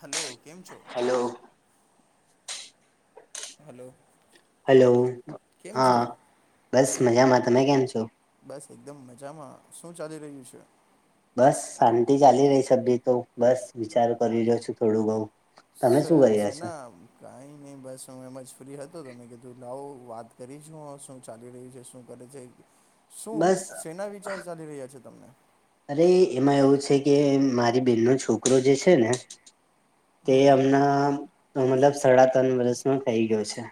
Hello કેમ છો? Hello. Hello. Hello કેમ છો હા બસ મજામાં. તમે કેમ છો? બસ એકદમ મજામાં શું ચાલી રહ્યું છે? બસ શાંતિ ચાલી રહી છે બીજું તો બસ વિચાર કરી રહ્યો છું થોડું બઉુ. શ શેના કાંઈ નહીં બસ હું એમ જ ફ્રી હતો તમે કીધું લાવો વાત કરીશું શું ચાલી રહ્યું છે શું કરે છે. શું બસ સેના વિચાર ચાલી રહ્યા છે તમને? અરે એમાં એવું છે કે બેનનો જે છે ને તે હમણા મતલબ સાડા ત્રણ વર્ષમાં થઈ ગયો છે.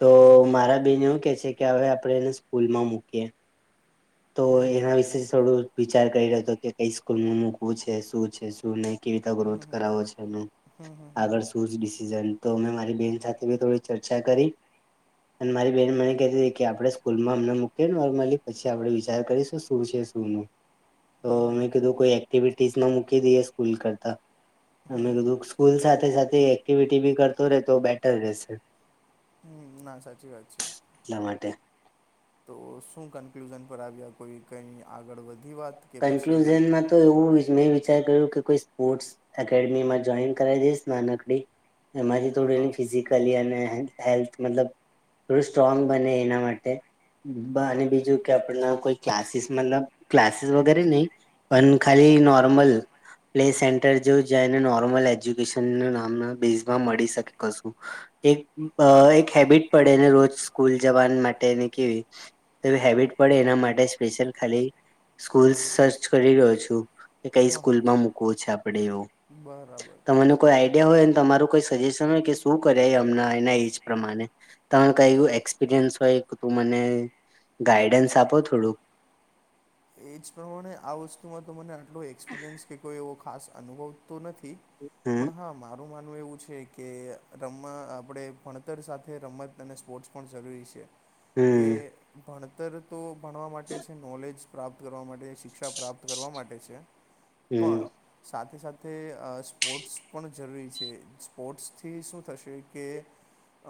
તો મારા બેન એવું કે છે કે હવે આપણે એને સ્કૂલમાં મૂકીએ. તો એના વિશે થોડું વિચાર કરી રહ્યો હતો કે કઈ સ્કૂલમાં મૂકવું છે. શું છે શું નહી કેવી રીતે ગ્રોથ કરાવો છે એનું. આગળ શું જ ડિસિઝન તો મેં મારી બેન સાથે થોડી ચર્ચા કરી. અને મારી બેન મને ક હતી કે આપણેે સ્કૂલમાં અમને મૂકી નોર્મલી પછી આપડે વિચાર કરીશું શું છે શું [unintelligible] તો મેં કીધું કોઈ એક્ટિવિટીઝમાં મૂકી દઈએ સ્કૂલ કરતા. મે કીધું સ્કૂલ સાથે સાથે એક્ટિવિટી બી કરતો રહેે તો બેટર રહેશે. હમ ના સાચી વાત છે. એટલા માટે તો શું કન્ક્લુઝન પર આવ્યા કોઈ કઈ આગળ વધી વાત કે પછી કન્ક્લુઝનમાં તો એવું મેં વિચાર કર્યું કે કોઈ સ્પોર્ટ્સ એકેડેમીમાં જોઈન કરાવ દઈશ નાનકડી એમાંથી હા થોડુંક હા એનું ફિઝિક કલી અને હેલ્થ મતલબ થોડું સ્ટ્રોંગ બને એના માટે હા અને હા બીજું કે આપણ કોઈ ક્લાસીસ મતલબ ક્લાસીસ વગેરે નહી પણ ખાલી નોર્મલ પ્લેસ એ એટર જો જાય અને નોર્મલ એજ્યુકેશનુ નામમાં બેઝમાં મળી શકે કશું. એક અહ એક હેબિટ પડે ને રોજ સ્કૂલ જવાની માટેની કેવી તો એવી હેબિટ પડે એના માટે સ્પેશિયલ ખાલી સ્કૂલ્સ સર્ચ કરી રહ્યો છું. કે કઈ હા હા સ્કૂલમાં મૂકવો છે આપડે એવું બરાબર તમને કોઈ આઈડિયા હોય અને તમારું કોઈ સજેશન હોય કે શું કરે એ એમના એજ પ્રમાણે. તમને કઈ એક્સપિરિયન્સ હોય કે તું મને ગાઈડન્સ આપો થોડુંક. એજ પ્રમાણે આ વસ્તુમાં તો મને આટલો એક્સપિરિયન્સ કે કોઈ એવો ખાસ અનુભવ તો નથી. હમ પણ હા મારું માનવું એવું છે કે રમાં આપણે ભણતર સાથે રમત અને સ્પોર્ટ્સ પણ જરૂરી છે કે હમ ભણતર તો ભણવા માટે છે નોલેજ પ્રાપ્ત કરવા માટે શિક્ષા પ્રાપ્ત માટે છે પણ હમ સાથે-સાથે સ્પોર્ટ્સ પણ જરૂરી છે સ્પોર્ટ્સથી શું થશે કે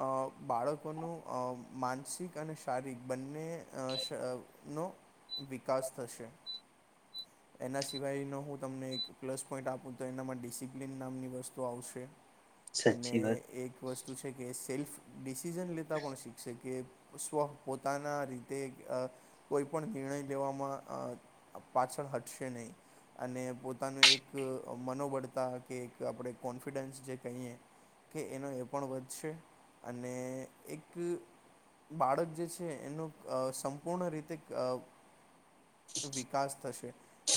અહ બાળકોનું અહ માનસિક અને શારીરિક બંને અહ શનો વિકાસ થશે. એના સિવાયનો હું તમને એક પ્લસ પોઈન્ટ આપું તો એનામાં ડિસિપ્લિન નામની વસ્તુ આવશે. અને સાચી વાત એક વસ્તુ છે કે સેલ્ફ ડિસિઝન લેતા પણ શીખશે કે સ્વ પોતાના રીતે અહ કોઈપણ નિર્ણય લેવામાં અહ આમ પાછળ હટશે નહીં. અને પોતાનું એક મનોબળતા કે એક આપણે કોન્ફિડન્સ જે કહીએ કે એનો એ પણ વધશે અને એક બાળક જે છે એનું અહ સંપૂર્ણ રીતે અહ વિકાસ થશે.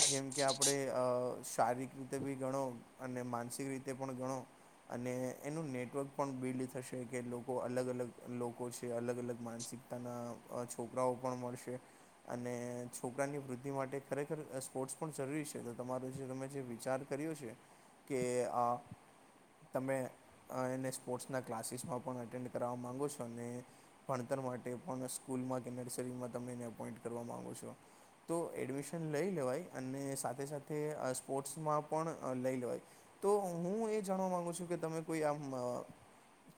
જેમ કે આપણે અહ શારીરિક રીતે બી ગણો અને માનસિક રીતે પણ ગણો અને એનું નેટવર્ક પણ બિલ્ડ થશે કે લોકો અલગ અલગ લોકો છે અલગ અલગ માનસિક તાના અહ છોકરાઓ પણ મળશે અને છોકરાની વૃદ્ધિ માટે ખરેખર સ્પોર્ટ્સ પણ જરૂરી છે તો તમારો જે તમે જે વિચાર કર્યો છે. કે અ તમે અહ એને સ્પોર્ટ્સના ક્લાસીસમાં પણ અટેન્ડ કરાવવા માગો છો ને ભણતર માટે પણ સ્કૂલમાં કે નર્સરીમાં તમે એને એપોઈન્ટ કરવા માગો છો. તો એડમિશન લઈ લેવાય અને સાથે સાથે અહ સ્પોર્ટ્સમાં પણ લઈ લેવાય. તો હું એ જાણવા માંગુ છું કે તમે કોઈ આમ અહ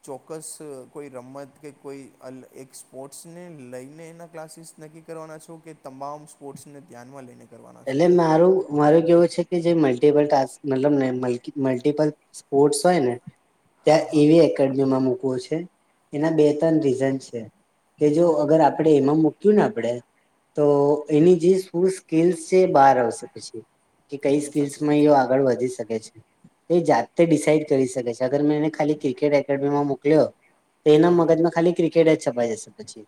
ચોક્સ કોઈ રમત કે કોઈ અલ એક સ્પોર્ટ્સને લઈને એના ક્લાસીસ નક્કી કરવાના છો કે તમામ સ્પોર્ટ્સને ધ્યાનમાં લઈને કરવાના છો એલે મારું મારું કેવુ છે કે જે મલ્ટીપલ ટાસ્ક, મતલબને મલ્કી મલ્ટીપલ સ્પોર્ટસ હોય ને ત્યાં હા હા એવી એકડમીમાં મૂકવું છે, એના બે ત્રણ રીઝન છે. કે જો હા હા અગર આપડે એમાં મૂક્યું ને આપડે તો એની જે સ્કૂલ સ્કીલ્સ છે તે બહાર આવશે પછી, કે કઈ હમ સાચી સ્કીલસમાં વાત એ છે આગળ વધી શકે છે. એ જાત્તે ડિસાાઈડ કરી શકે છે, અગર મેં એને ખાલી ક્રિકેટ એકેડમીમાં મોકલ્યો તેના હા હા મગજમાં ખાલી ક્રિકેટ જ છપાઈ જશે પછી,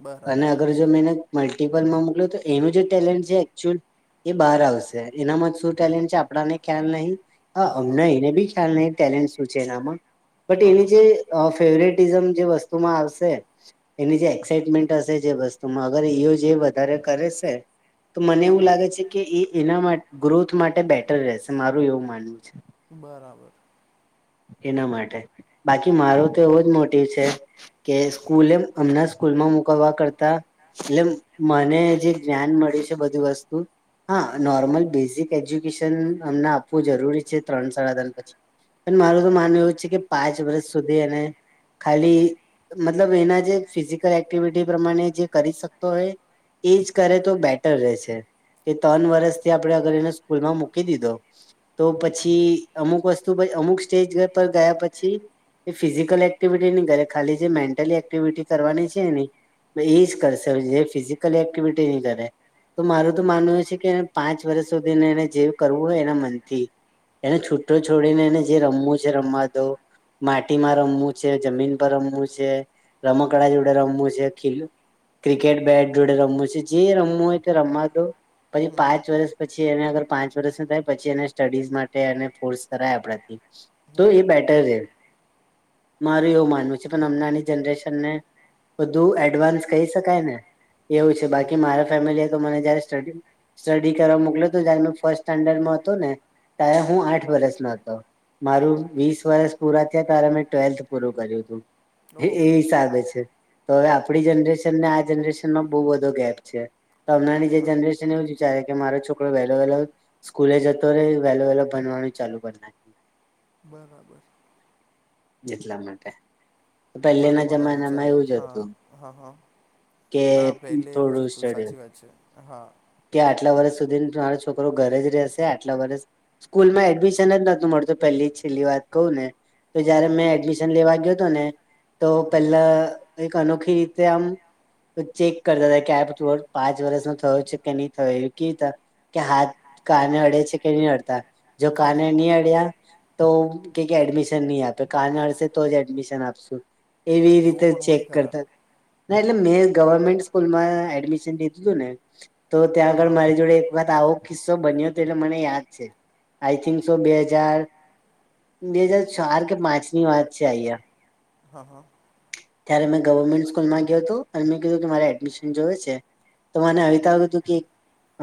બરાબર અને અગર જો મે એને મલ્ટિપલમાં મોકલ્યો તો એનું જે ટેલેન્ટ છે એકચુલ એ બહાર આવશે, એનામાં શું ટેલેન્ટ છે આપણાને ખ્યાલ નહી હા, અમના એને બી ખ્યાલ નહીં, ટેલેન્ટ શું છે એનામાં, બટ હા એની હા જે અહ ફેવરેટિઝમ જે વસ્તુમાં આવશે એની જે એક્સાાઈટમેન્ટ હશે, જે વસ્તુમાં, અગર એઓ જે વધારે કરે સે! તો મને હા એવું હા લાગે છે કે એ એના મા ગ્રોથ માટે બેટર રહેશે, મારું એવું માનવું છે. બરાબર. એના માટે, બાકી મારો તો એવો જ મોટીવ છે કે સ્કૂલે, અમના સ્કૂલમાં મુકાવા કરતા એટલે મને જે જ્ઞાન મળ્યું છે બધી વસ્તુ હા, નોર્મલ બેઝિક એજ્યુકેશન અમના આપવું જરૂરી છે ત્રણ સાડા ત્રણ પછી. પન મારું તો માનવું એવું છે કે પાંચ વરસ સુધી એને ખાલી, મતલબ એના જે ફિઝિકલ એક્ટિવિટી પ્રમાણે જે કરી શકતો હોય એજ કરે તો બેટર રહેશે. કે તોન વરસથી આપણે અગર એને સ્કૂલમાં મૂકી દીધો તો પછી અમુક વસ્તુ પઇ અમુક સ્ટેજ ગ પર ગયા પછી એ ફિઝિકલ એક્ટિવિટી ની ગરે, ખાલી જે મેન્ટલી એક્ટિવિટી કરવાની છે એની એ જ કરશે, ફિઝિકલ એક્ટિવિટી નહી કરે. તો મારું તો માનવું એ છે કે એને પાંચ વરસ સુધીને એને જે કરવું હોય એના મનથી એને છુટ્ટો છોડીને એને જે રમવું છે રમવા દો. માટીમાં રમવું છે, જમીન પર રમવું છે, રમકડા જોડે રમવું છે, ખીલું ક્રિકેટ બેટ જોડે રમવું છે, જે રમવું ઓય તે રમવા દો, પહી પાંચ વરસ પછી એને અગર પાંચ વરસ ન થાય, પછી એને સ્ટડીઝ માટે એને ફોર્સ કરાય આપણાથી તો એ બેટર રે, મારે એવું માનવું છે, પણ હમનાની જનરેશનને બધું એડવાન્સ કહી શકાય ને, એવું છે બાકી મારા ફેમિલી એ તો મને જયારે સ્ટડી સ્ટડી કરવા મોકલ્યો તો, જયારે મે ફર્સ્ટ સ્ટાન્ડર્ડમાં હતો ને ત્યારે હું આઠ વરસનો હતો. મારું વીસ વરસ પૂરા થ્યા, ત્યારે મેં ટ્વેલ્થ પૂરું કર્યું તું. એ એ ઓહો હિસાબે છે. તો અવે આપણી જનરેશનને આ જનરેશનમાં બઉ બધો ગેપ છે. તો અમનાની જે હા જનરેશન એવું જ વિચારે કે મારો છોકરો વહેલો વહેલો સ્કૂલે જતો રે, વહેલો વહેલો ભણવાનું ચાલુ કર નાખે બરાબર. જેટલા માટે, ના પેલ્લેના તમારા જમાનામાં વિચાર એવું જ હા હતું હા હા કે ના પહેલે એવું જ થોડું હતું સ્ટડ સાચી વાત છે હા કે આટલા વરસ સુધીન તમારો છોકરો ઘરે જ રહેશે આટલા વરસ કૂલ માં એડમિશન જ નતુ મળતું, પેલ્લી છેલ્લી વાત કહું ને તો જયારે મેં એડમિશન લેવા ગ્યો તોને તો પેલા એક અનોખી રીતે આમ તો ચેક કરતાતા કે આ [unintelligible] પાંચ વર્ષનો થયો છે કે નહી થયો એ કેતા કે હાથ કાને અડે છે કે નઈ અડતા. જો કાને ની અડ્યા તો કે કે એડમિશ્ ની આપે કાને અડશે તો જ એડમિશન આપશું. એવી એવું રીતે પણ ચેક હોય ખરા કરતા ના, એટલે મેં ગવર્મેન્ટ સ્કૂલમાં એડમિશન લીધુંતું ને તો હા ત્યાં હા. આગળ મારી જોડે એક વાત આવો કિસ્સો બન્યોતો એટલે મને યાદ છે, આઈ થિન્ક સો બે હજાર બે હજ ચાર કે પાંચ ની વાત છે આઈયા હા હા ત્યારે મેં ગવર્મેન્ટ સ્કૂલમાં ગ્યોતો અને મેં કીધું કે મારે એડમિશન જોયે છે તો મને આવીતા આવ્યું હતું કે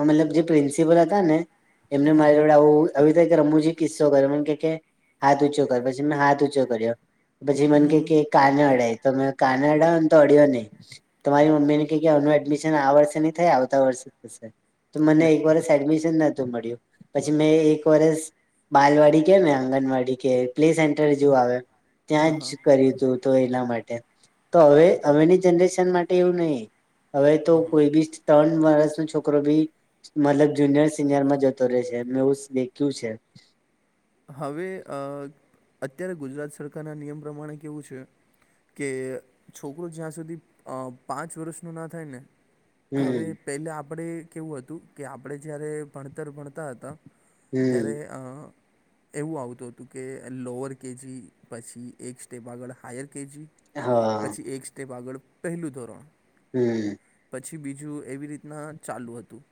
મતલબ જે પ્રિન્સિપલ હતા ને એમને હા મારી હા જોડે આવું આવી રીતે એક રમુજી કિસ્સો કરો મન કે કે હાથ ઊંચો પર પછી મેં હાથ ઊચો કર્યો પછી મન કે કે કાને અડાય તો મેં કાને અડાયોને તો અડ્યો નઈ. તમારી મમ્મીને કે કે આનું એડમિશન આ વર્ષે નહી થાય આવતા વર્ષે થશે તો મને લે એક વર સ એડમિશન નતુ મળ્યું પછી મેં એ એક વરસ બાલવાડી કે ને આંગણવાડી કે પ્લે સેન્ટર જેવું આવે, હા ત્યાં જ હા કર્યું હતું તો એના માટે તો હવે હવેની જનરેશન માટે એવું નહિ હવે તો કોઈ બી ત્રણ વરસનો છોકરો બી મતલબ જુનિયર સિનિયરમાં જતો રહે છે મેં [unintelligible] છે. હવે અ અત્યારે ગુજરાત સરકારના નિયમ પ્રમાણે કેવું છે કે છોકરો જ્યાં સુધી અ પાંચ વરસનું ન થાય ને હવે હમ પહેલા આપણે કેવું હતું કે આપણે જયારે ભણતર ભણતા હતા હમ ત્યારે અ એવું આવતું હતું કે લોઅર કે જી પછી એક સ્ટેપ આગળ હાયર કે જી હા પછી એક સ્ટેપ આગળ પહેલું ધોરણ. હમ પછી બીજું એવી રીતના ચાલુ હતું.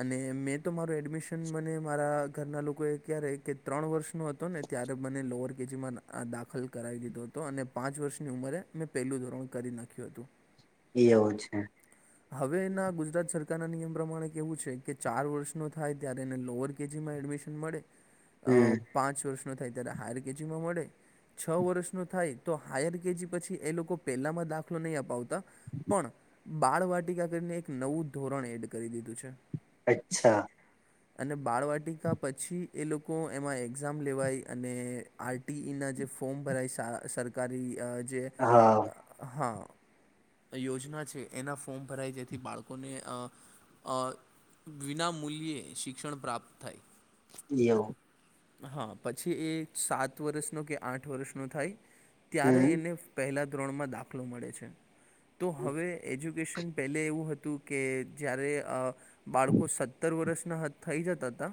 અને મેં તો મારુ એડમિશન મને મારા ઘરના લોકોએ ક્યારે કે ત્રણ વર્ષ નો હતો ને ત્યારે મને લોઅર કે જીમાં દાખલ કરાવી દીધો હતો અને પાંચ વર્ષની ઉંમરે મેં પહેલું ધોરણ કરી નાખ્યું હતું. એવું છે. [inaudible] હવે એના ગુજરાત સરકારના નિયમ પ્રમાણે કેવું છે કે ચાર વર્ષનો થાય ત્યારે એને લોઅર કે જીમાં એડમિશન મળે. અ હમ પાંચ વર્ષનો થાય ત્યારે હાયર કે જીમાં મળે. છ વર્ષનો થાય તો હાયર કે જી પછી એ લોકો પેલામાં દાખલો નઈ અપાવતા પણ બાળવાટિકા કરીને એક નવું ધોરણ એડ કરી દીધું છે. અચ્છા અને બાળવાટિકા પછી એ લોકો એમાં એ ક્ઝામ લેવાય અને આર ટી ઈના જે ફોર્મ ભરાય સા સરકારી અ જે હા હા, યોજના છે એના ફોર્મ ભરાય જેથી બાળકોને અહ અં વિના મૂલ્યે શિક્ષણ પ્રાપ્ત થાય. એવું. હાં પછી એ સાત વરસનો કે આઠ વરસનો થાય ત્યારે હમ એને પહેલાં ધોરણમાં દાખલો મળે છે તો હવે એજ્યુકેશન પેલે એવું હતું કે જયારે બાળકો અ સત્તર વર્ષના હતા થઈ જતા તા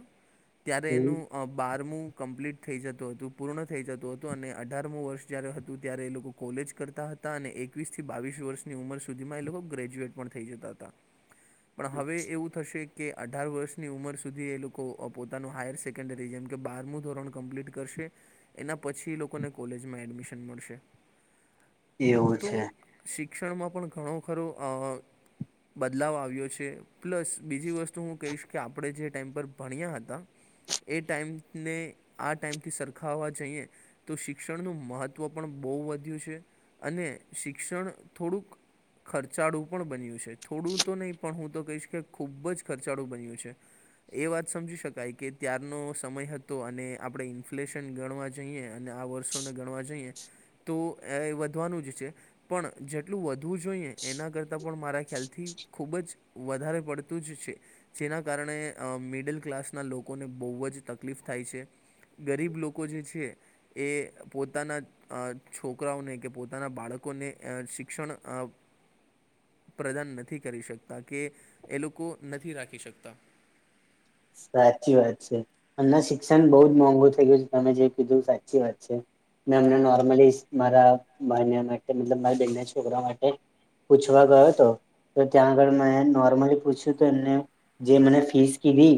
ત્યારે હમ એનું અ બારમું કમ્પ્લીટ થઈ જતું હતું પૂર્ણ થઈ જતું હતું અને અઢારમું વર્ષ જ્યારે હતું ત્યારે એ લોકો કોલેજ કરતા હતા અને એકવીસ થી બાવીસ વર્ષની ઉંમર સુધીમાં એ લોકો ગ્રેજ્યુએટ પણ થઈ જતા તા. પણ હવે એવું થશે કે અઢાર વર્ષની ઉંમર સુધી એ લોકો પોતાનું હાયર સેક ન્ડરી જેમ કે બારમું ધોરણ કમ્પ્લીટ કરશે એના પછી એ લોકોને કોલેજમાં એડમિશન મળશે. એવું તો છે. શિક્ષણમાં પણ ઘણું ખરું અ બદલાવ આવ્યો છે પ્લસ બીજી વસ્તુ હું કહીશ કે આપણે જે ટાઈમ પર ભણ્યા હતા એ ટાઈમને આ ટાઈમથી સરખાવવા જઈએ તો શિક્ષણનું મહત્ત્વ બો વધ્યું છે અને શિક્ષણ થોડુંક ખર્ચાળું પણ બન્યું છે થોડું તો નહીં પણ હું તો કહીશ કે ખૂબ જ ખર્ચાળું બન્યું છે. એ વાત સમજી શકાય કે ત્યારનો સમય હતો અને આપણે ઇન્ફ્લેશન ગણવા જઈએ અને આ વર્ષોને ગણવા જઈએ તો એ વધવાનું જ છે. પણ જેટલું વધવું જોઈએ એના કરતાં પણ મારા ખ્યાલથી ખૂબ જ વધારે પડતું જ છે. જેના કારણે અ મિડલ ક્લાસના લોકોને બઉ જ તકલીફ થાય છે ગરીબ લોકો જે છે એ પોતાના અ છોકરાઓને કે પોતાના બાળકોને અ શિક્ષણ અ પ્રદાન નથી કરી શકતા કે એ લોકો નથી રાખી શકતા. સાચી વાત છે અને શિક્ષન બઉ જ મોંઘુ થઈ ગયું છે તમે જે કીધું સાચી વાત છે. મેં અમને નોર્મલી મારા ભાઈના મતલબ મારી બેન છોકરા માટે પૂછવા ગયો હતો તો ત્યાં આગળ મેં નોર્મલી પૂછ્યું તું એમને જે મને ફીસ કીધી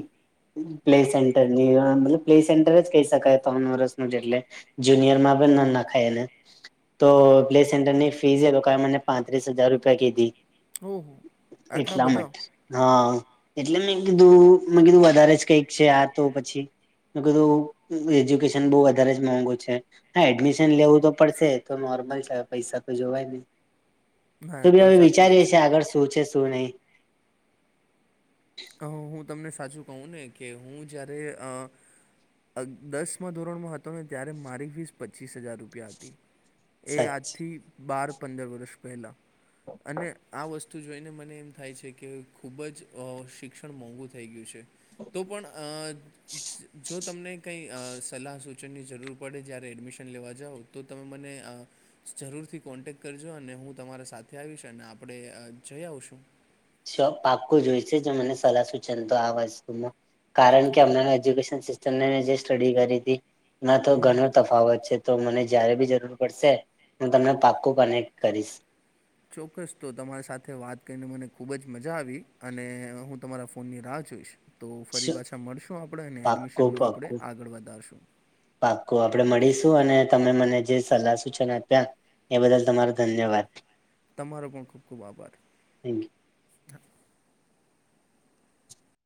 પ્લે સેન્ટરની મતલબ પ્લે સેન્ટર જ કહી શકાય ત્રન વરસનું જ એટલે જુનીયરમાં પન ન નખાય એને તો પ્લે સેન્ટરની ફીસ એલોકો એ મને પાંત્રીસ હજાર રૂપિયા કીધી. ઓહો! આટલા એટલા બધા? માટે હાં એટલે મેં કીધું મેં કીધું વધારે જ કંઈક છે આ તો પછી મેં કીધું એજ્યુકેશન બઉ વધારે જ મોંઘું છે. હા એડમિશન લેવું તો પડશે એતો નોર્મલ છે પૈસા તો જોવાય નઈ ના તો એ બી પણ હમે સાચી વાત વિચારીએ છે આગળ શું છે શું નઈ તો હું તમને સાચું કહું ને કે હું જયારે અ અ દસમાં ધોરણમાં હતો ને ત્યારે મારી ફીસ પચીસ હજાર રૂપિયા હતી. એ સચ આજથી બાર પંદર વરરસ પહેલા અને આ વસ્ તો જોઈને મને એમ થાય છે કે ખૂબ જ અ શિક્ષણ મોંઘું થઈ ગયું છે. તો પણ અ જો તમને કંઈ અ સલાહ સૂચનની જરૂર પડે જ્યારે એડમિશન લેવા જાવ તો તમે મને જરૂર થી કોન્ટેક કરજો અને હું તમારા સાથે આવીશ અને આપડે જઈ આવશું. ચોક પાકું જોઈશે જ મને સલાહ સૂચન તો આ વસ્તુમાં કારણ કે અમના નું એજ્યુકેશ સિસ્ટરને જે સ્ટડી કરી તી એમાં તો હમ ઘનો તફાવત છે. તો મને જયારે બી જરૂર પડશે હું તમને પાક્કું કનેક્ટ કરીશ. ચોક્કસ તો તમારી સાથે વાત કરીને મને ખૂબ જ મજા આવી અને હું તમારા ફોનની રાહ જોઈશ. તો ફરી શું પાછા મળશું આપણે અને પાક્કું એડમિશનનું આપણે આગળ વધારશું. પાકું આપડે મળીશું અને તમે મને જે સલાહ સૂચન આપ્યા એ બદલ તમારો ધન્યવાદ. તમારો પણ ખૂબ ખૂબ આભાર. Thank you.